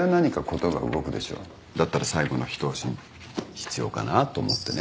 だったら最後の一押しに必要かなと思ってね。